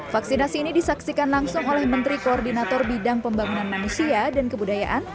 vaksinasi ini disaksikan langsung oleh menteri koordinator bidang pembangunan manusia dan kebudayaan